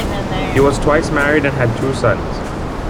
He was twice married and had two sons.